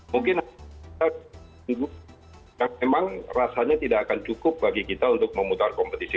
mungkin kita memang rasanya tidak akan cukup bagi kita untuk memutar kompetisi